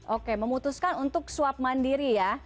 oke memutuskan untuk swab mandiri ya